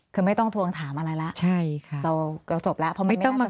คือไม่ต้องทวงถามอะไรแล้วใช่ค่ะเราจบแล้วเพราะมันไม่น่าจะ